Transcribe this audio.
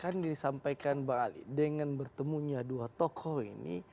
kan disampaikan bang ali dengan bertemunya dua tokoh ini